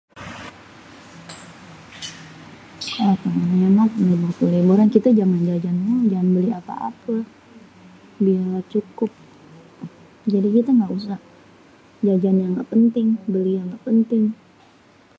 kalau pengennya mah punya waktu liburan kite meh jangan jajan mulu, jangan beli apê-apê. duitnye gak cukup jadi kite gak usah jajan yang gak penting, beli yang gak penting.